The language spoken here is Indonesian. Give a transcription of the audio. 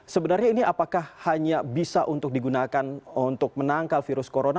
sebenarnya ini apakah hanya bisa untuk digunakan untuk menangkal virus corona